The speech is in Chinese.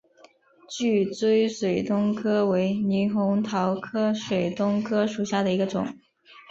聚锥水东哥为猕猴桃科水东哥属下的一个种。